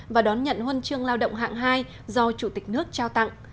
và đón nhận huân chương lao động hạng hai do chủ tịch nước trao tặng